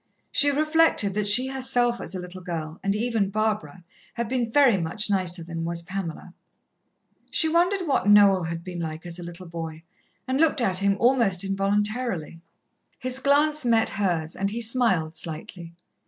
She reflected that she herself as a little girl, and even Barbara, had been very much nicer than was Pamela. She wondered what Noel had been like as a little boy, and looked at him almost involuntarily. His glance met hers, and he smiled slightly.